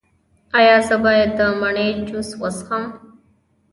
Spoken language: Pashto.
ایا زه باید د مڼې جوس وڅښم؟